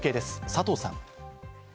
佐藤さん。